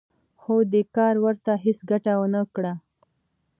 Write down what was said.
خو دې کار ورته هېڅ ګټه ونه کړه